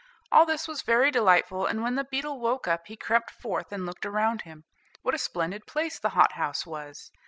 All this was very delightful, and when the beetle woke up he crept forth and looked around him. What a splendid place the hothouse was!